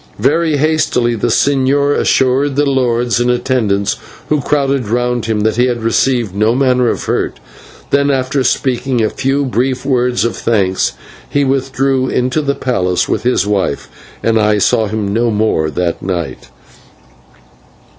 Very hastily the señor assured the lords in attendance who crowded round him that he had received no manner of hurt, and then, after speaking a few brief words of thanks, he withdrew into the palace with his wife, and I saw him no more that night.